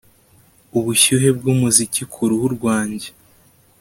ubushyuhe bwumuziki kuruhu rwanjye